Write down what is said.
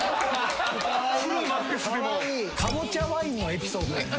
『かぼちゃワイン』のエピソードやん。